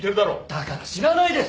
だから知らないですって！